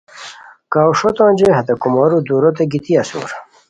کاوݰو تونجئے ہتےکومورو دوروت گیتی اسور